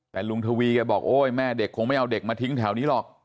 แต่ลุงทวีแกบอกโอ๊ยแม่เด็กคงไม่เอาเด็กมาทิ้งแถวนี้หรอก